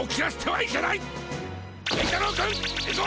はい。